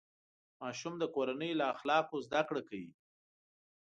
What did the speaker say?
ماشوم د کورنۍ له اخلاقو زده کړه کوي.